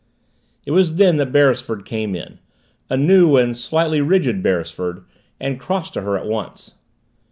It was then that Beresford came in, a new and slightly rigid Beresford, and crossed to her at once.